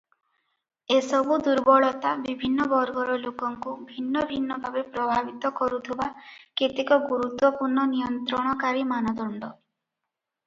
ଏସବୁ ଦୁର୍ବଳତା ବିଭିନ୍ନ ବର୍ଗର ଲୋକଙ୍କୁ ଭିନ୍ନ ଭିନ୍ନ ଭାବେ ପ୍ରଭାବିତ କରୁଥିବା କେତେକ ଗୁରୁତ୍ୱପୂର୍ଣ୍ଣ ନିୟନ୍ତ୍ରଣକାରୀ ମାନଦଣ୍ଡ ।